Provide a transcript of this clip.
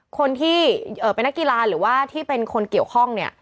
คนที่เป็นนักกีฬาหรือว่าที่เป็นคนเกี่ยวข้องเนี่ย